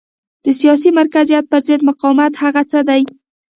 د سیاسي مرکزیت پرضد مقاومت هغه څه دي.